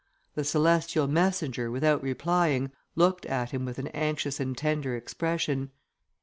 The celestial messenger, without replying, looked at him with an anxious and tender expression.